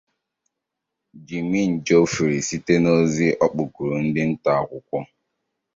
Jimin Geoffrey site n'ozi ọ kụpụụrụ ndị nta akụkọ